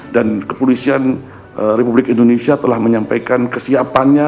dan kepolisian republik indonesia telah menyampaikan kesiapannya